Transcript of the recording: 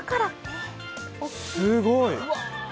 すごい！